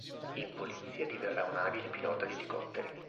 In polizia diverrà un abile pilota di elicotteri.